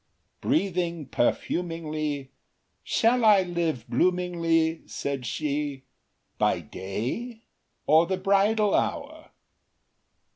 Breathing perfumingly; Shall I live bloomingly, Said she, by day, or the bridal hour?